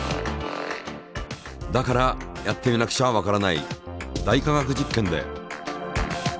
だからやってみなくちゃわからない「大科学実験」で。